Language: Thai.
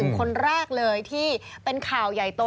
คนแรกเลยที่เป็นข่าวใหญ่โต